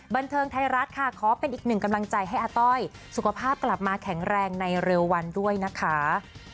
บันเทิงไทยรัฐค่ะขอเป็นอีกหนึ่งกำลังใจให้อาต้อยสุขภาพกลับมาแข็งแรงในเร็ววันด้วยนะคะ